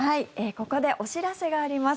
ここでお知らせがあります。